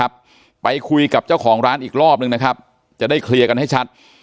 ครับไปคุยกับเจ้าของร้านอีกรอบนึงนะครับจะได้เคลียร์กันให้ชัด